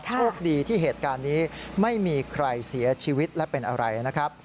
โชคดีที่เหตุการณ์นี้ไม่มีใครเสียชีวิตและเป็นอะไรนะครับ